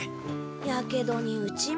やけどに打ち身。